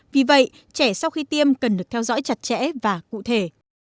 vì vậy trẻ sau khi tiêm cần được theo dõi chặt chẽ và cụ thể